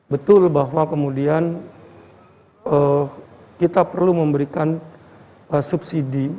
betul bahwa kemudian kita perlu memberikan subsidi